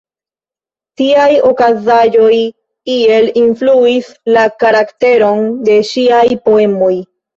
Tiaj okazaĵoj iel influis la karakteron de ŝiaj poemoj.